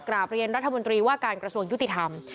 เรียนรัฐมนตรีว่าการกระทรวงยุติธรรม